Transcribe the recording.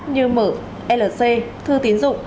như mở lc thư tín dụng